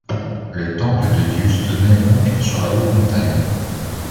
Le temple de Dieu se tenait donc sur la haute montagne.